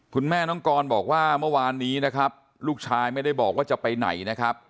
คุณแม่น้องกรบอกว่าเมื่อวานนี้นะครับลูกชายไม่ได้บอกว่าจะไปไหนนะครับ